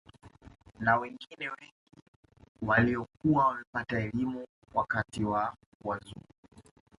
Na wengine wengi waliokuwa wamepata elimu wakati wa wazungu